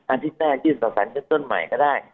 อาทิตย์หน้ายื่นต่อสารชั้นต้นใหม่ก็ได้